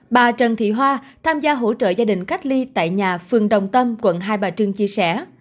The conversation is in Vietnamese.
bà trần thị hoa tham gia hỗ trợ gia đình cách ly tại nhà phường đồng tâm quận hai bà trưng chia sẻ